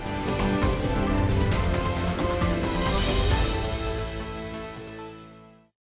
jadi kita harus bergabung